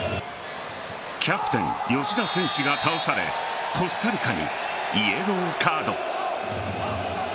キャプテン吉田選手が倒されコスタリカにイエローカード。